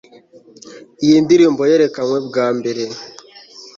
Iyi ndirimbo yerekanwe bwa mbere